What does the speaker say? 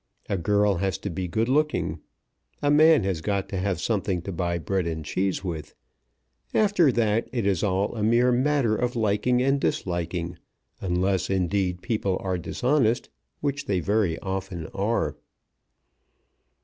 A girl has to be good looking. A man has got to have something to buy bread and cheese with. After that it is all a mere matter of liking and disliking unless, indeed, people are dishonest, which they very often are."